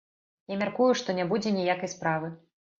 Я мяркую, што не будзе ніякай справы.